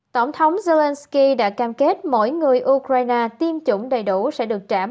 tổng thống zelenskyy đã cam kết mỗi người ukraine tiêm chủng đầy đủ sẽ được trả một rhenia